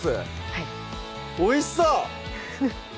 はいおいしそう！